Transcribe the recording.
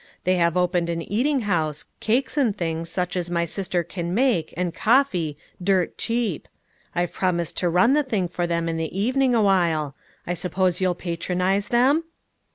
They have opened an eating house, cakes and things such as my sister can make, and coffee, dirt cheap. I've promised to run the thing for them in the even ing awhile; I suppose you'll patronize them?"